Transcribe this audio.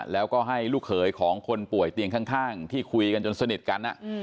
แล้วก็ให้ลูกเขยของคนป่วยเตียงข้างที่คุยกันจนสนิทกัน